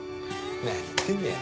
何言ってるんだよ！